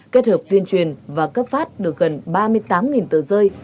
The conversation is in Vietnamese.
kết hợp tuyên truyền và cấp phát được gần ba mươi tám tờ rơi